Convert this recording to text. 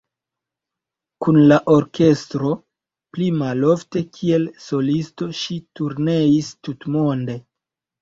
Kun la orkestro, pli malofte kiel solisto ŝi turneis tutmonde.